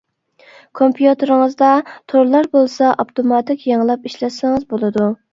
كومپيۇتېرىڭىزدا تورلا بولسا ئاپتوماتىك يېڭىلاپ ئىشلەتسىڭىز بولىدۇ.